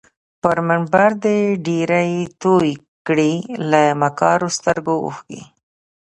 پر منبر دي ډیري توی کړې له مکارو سترګو اوښکي